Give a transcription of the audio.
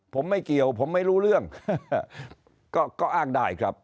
ผมไม่เกี่ยวผมไม่รู้เรื่องก็อ้างได้ครับ